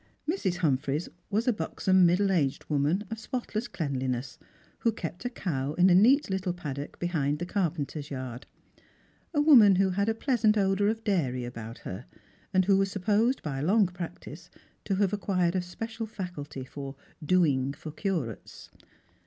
Mrs. Humphreys was a buxom middle aged woman of spotless cleanliness, who kept a cow in a neat little paddock behind the carpenter's yard ; a woman who had a pleasant odour of dairy about her, and who was sujjposed by long prac tice to have acquired a special faculty for " doing for curates."